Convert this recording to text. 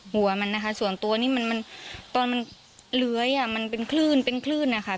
หัวมันนะคะส่วนตัวนี่มันตอนมันเลื้อยอ่ะมันเป็นคลื่นเป็นคลื่นนะคะ